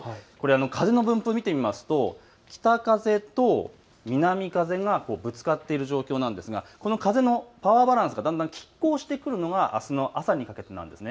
風の分布を見てみますと北風と南風がぶつかっている状況なんですが風のパワーバランスがきっ抗してくるのがあすの朝にかけてなんです。